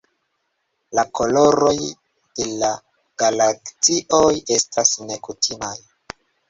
La koloroj de la galaksioj estas nekutimaj.